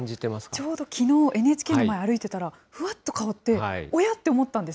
ちょうどきのう、ＮＨＫの前歩いてたら、ふわっとかおって、おやって思ったんです。